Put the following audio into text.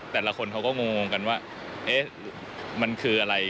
แต่ละคนเขาก็งงกันว่าเอ๊ะมันคืออะไร